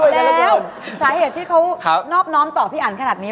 แล้วสาเหตุที่เขานอบน้อมต่อพี่อันขนาดนี้